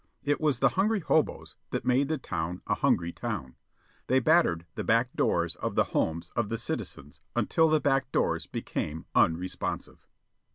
It was the hungry hoboes that made the town a "hungry" town. They "battered" the back doors of the homes of the citizens until the back doors became unresponsive.